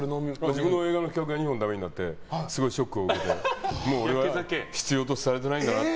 自分の映画が２本だめになってすごいショックを受けてもう俺は必要とされていないんだなと。